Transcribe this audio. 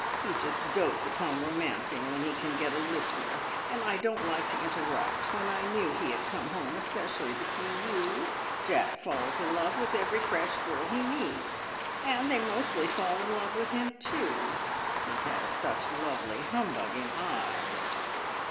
He just dotes upon romancing when he can get a listener, and I didn't like to interrupt when I knew he had come home especially to see you. Jack falls in love with every fresh girl he meets, and they mostly fall in love with him too. He has such lovely humbugging eyes!"